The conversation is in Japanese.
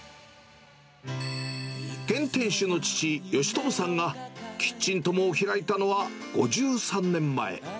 現店主の父、良友さんが、キッチントモを開いたのは５３年前。